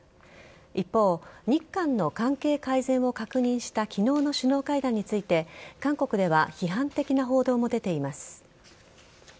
一方、日韓の関係改善を確認した昨日の首脳会談について韓国では批判的な報道も出ています。